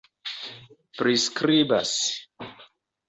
priskribas